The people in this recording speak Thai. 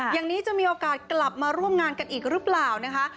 อย่างนี้จะมีโอกาสกลับมาร่วมงานกันอีกหรือเปล่านะคะ